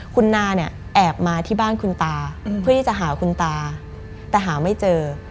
คุณนาเนี่ยแอบมาที่บ้านคุณตาเพื่อที่จะหาคุณตาแต่หาไม่เจอ